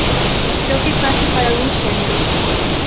Creo que é fácil para algúns xéneros.